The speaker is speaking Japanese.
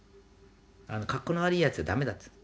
かっこの悪いやつは駄目だって。